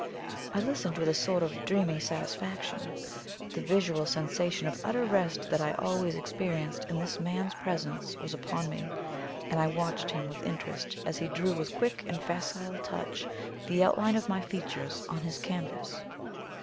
I listened with a sort of dreamy satisfaction; the visual sensation of utter rest that I always experienced in this man's presence was upon me, and I watched him with interest as he drew with quick and facile touch the outline of my features on his canvas.